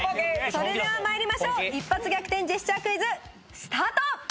それではまいりましょう「一発逆転‼ジェスチャークイズ」スタート！